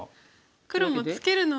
黒もツケる方が。